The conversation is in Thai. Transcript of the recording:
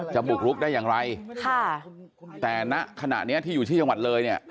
จะบุกรุกได้อย่างไรแต่ณขณะนี้ที่อยู่ที่ชมเลย